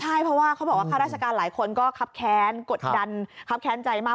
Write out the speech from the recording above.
ใช่เพราะว่าเขาบอกว่าข้าราชการหลายคนก็คับแค้นกดดันครับแค้นใจมาก